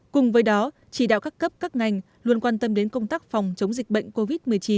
cùng với đó chỉ đạo các cấp các ngành luôn quan tâm đến công tác phòng chống dịch bệnh covid một mươi chín